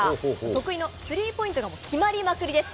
得意のスリーポイントが決まりまくりです。